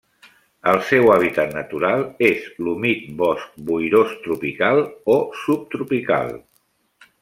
El seu hàbitat natural és l'humit bosc boirós tropical o subtropical.